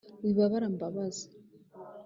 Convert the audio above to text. wibabara mbabazi